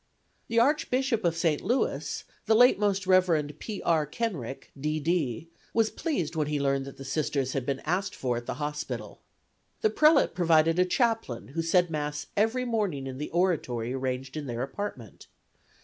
The Archbishop of St. Louis, the late Most Rev. P. R. Kenrick, D. D., was pleased when he learned that the Sisters had been asked for at the hospital. The prelate provided a chaplain, who said Mass every morning in the oratory arranged in their apartment.